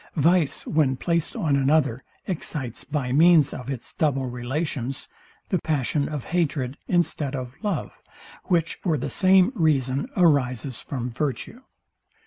Vice, when placed on another, excites, by means of its double relations, the passion of hatred, instead of love, which for the same reason arises from virtue.